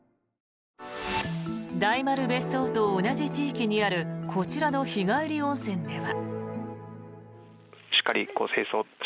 大丸別荘と同じ地域にあるこちらの日帰り温泉では。